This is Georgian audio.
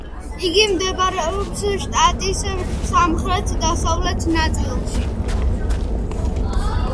იგი მდებარეობს შტატის სამხრეთ-დასავლეთ ნაწილში.